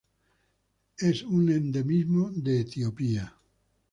Es un endemismo de Etiopía.